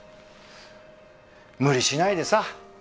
無理しないでさ